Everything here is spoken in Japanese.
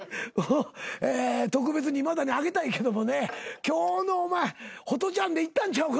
特別に今田にあげたいけどもね今日のホトちゃんでいったんちゃうか？